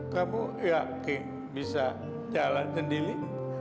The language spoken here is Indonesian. kamu yakin bisa jalan sendiri